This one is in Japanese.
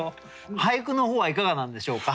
俳句の方はいかがなんでしょうか？